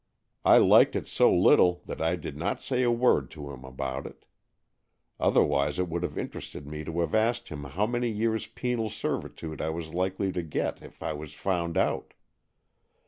I liked it so little that I did not say a word to him about it. Otherwise, it would have interested me to have asked him how many years' penal servitude I was likely to get if I was found out.